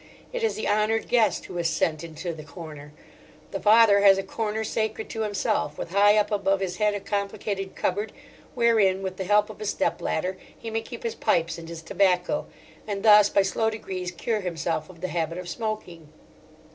It is the honoured guest who is sent into the corner. The father has a corner sacred to himself, with high up above his head a complicated cupboard, wherein with the help of a step ladder, he may keep his pipes and his tobacco, and thus by slow degrees cure himself of the habit of smoking.